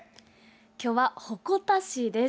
今日は鉾田市です。